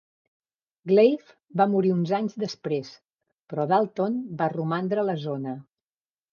Glave va morir uns anys després, però Dalton va romandre a la zona.